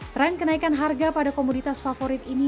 tren kenaikan harga pada komoditas favorit ini